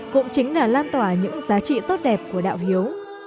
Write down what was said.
cũng chính là lan tỏa những giá trị tốt đẹp của đạo hiếu